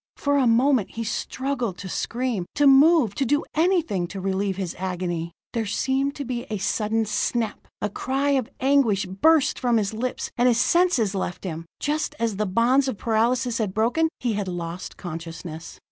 For a moment he struggled to scream, to move, to do anything to relieve his agony. There seemed to be a sudden snap a cry of anguish burst from his lips and his senses left him. Just as the bonds of paralysis had broken, he had lost consciousness.